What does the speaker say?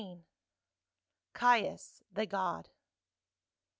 CAIUS, THE GOD.